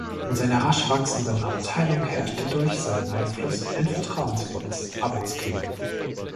In seiner rasch wachsenden Abteilung herrschte durch seinen Einfluss ein vertrauensvolles Arbeitsklima.